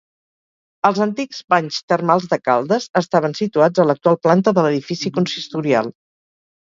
Els antics banys termals de Caldes estaven situats a l'actual planta de l'edifici consistorial.